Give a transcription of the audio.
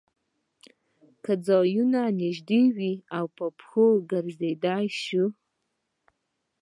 که ځایونه نږدې وي او په پښو ګرځېدای شو.